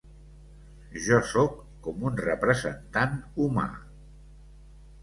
Jo soc com un representant humà.